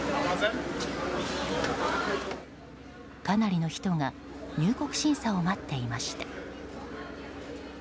かなりの人が入国審査を待っていました。